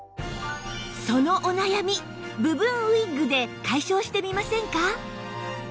そのお悩み部分ウィッグで解消してみませんか？